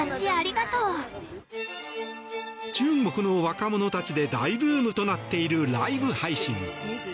中国の若者たちで大ブームとなっているライブ配信。